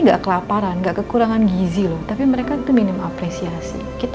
enggak kelaparan nggak kekurangan gizi loh tapi mereka tuh minim apresiasi